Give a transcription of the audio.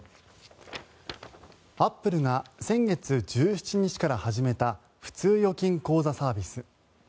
アップルが先月１７日から始めた普通預金口座サービス。